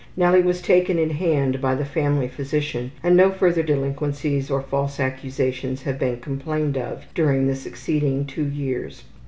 Nellie was taken in hand by the family physician and no further delinquencies or false accusations have been complained of during the succeeding two years.